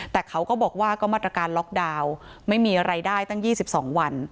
แต่เขาก็บอกว่าก็มาตรการล็อกดาวน์ไม่มีอะไรได้ตั้ง๒๒วัน